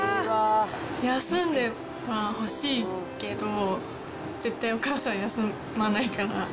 休んでほしいけど、絶対お母さん、休まないから。